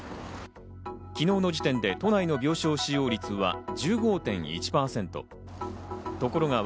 昨日の時点で都内の病床使用率は１５．１％。